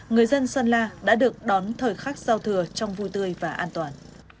người dân sơn la đã được đón thời khắc giao thừa trong vui tươi và an toàn